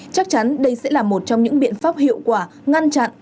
chắc chắn đây sẽ là một trong những biện pháp hiệu quả ngăn chặn